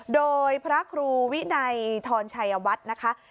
โดยพระครูวินัยทรชัยวัฒน์นะคะ